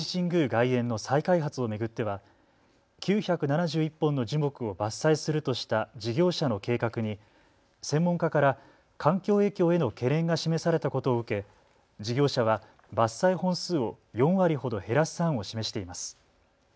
外苑の再開発を巡っては９７１本の樹木を伐採するとした事業者の計画に専門家から環境影響への懸念が示されたことを受け、事業者は伐採本数を４割ほど減らす案を示しています。